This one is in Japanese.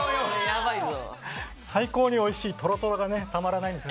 最高においしいトロトロがたまらないです。